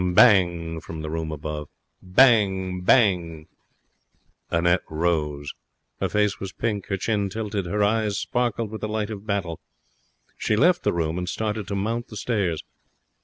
'Bang!' from the room above. 'Bang! Bang!' Annette rose. Her face was pink, her chin tilted. Her eyes sparkled with the light of battle. She left the room and started to mount the stairs.